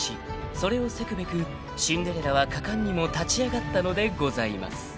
［それをせくべくシンデレラは果敢にも立ち上がったのでございます］